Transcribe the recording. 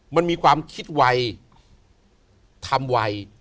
มันมีความคิดไวทำไว